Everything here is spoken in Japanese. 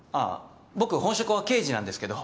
僕本職は刑事なんですけど。